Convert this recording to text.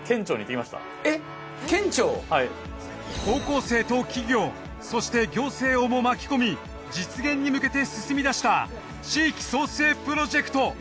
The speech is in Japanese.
高校生と企業そして行政をも巻き込み実現に向けて進みだした地域創生プロジェクト。